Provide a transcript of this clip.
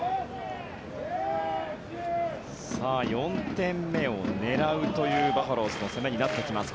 ４点目を狙うというバファローズの攻めになってきます。